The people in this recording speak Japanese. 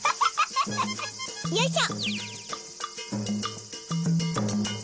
よいしょ。